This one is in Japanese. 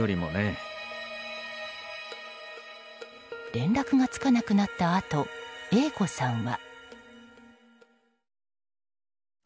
連絡がつかなくなったあとＡ子さんは。